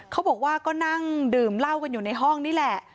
เขาบอกว่าก็นั่งดื่มเหล้ากันอยู่ในห้องนี่แหละ